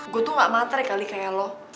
gue tuh gak mater kali kayak lo